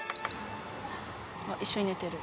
一緒に寝てる。